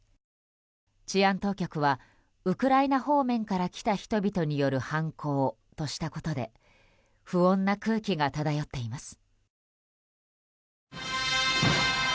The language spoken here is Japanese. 治安当局はウクライナ方面から来た人々による犯行としたことで不穏な空気が漂っています。